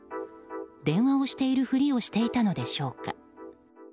電話をしているふりをしていたのでしょうか。